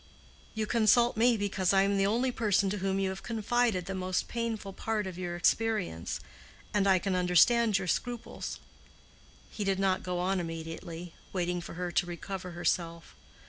You consult me because I am the only person to whom you have confided the most painful part of your experience: and I can understand your scruples." He did not go on immediately, waiting for her to recover herself.